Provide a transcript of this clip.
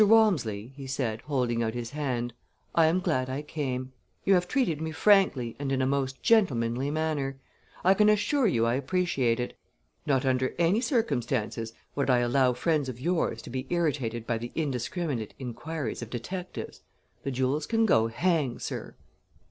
Walmsley," he said, holding out his hand, "I am glad I came. You have treated me frankly and in a most gentlemanly manner. I can assure you I appreciate it. Not under any circumstances would I allow friends of yours to be irritated by the indiscriminate inquiries of detectives. The jewels can go hang, sir!"